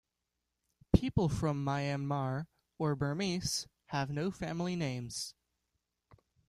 People from Myanmar or Burmese, have no family names.